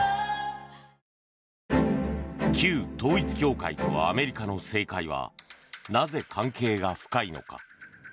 旧統一教会とアメリカの政界はなぜ関係が深いのか。